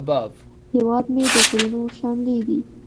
هیواد مې د غرونو شملې دي